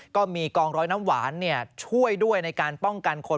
ก็มีกองร้อยน้ำหวานช่วยด้วยในการป้องกันคน